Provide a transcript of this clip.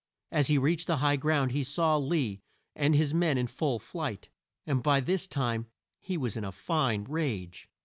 As he reached the high ground he saw Lee and his men in full flight, and by this time he was in a fine rage.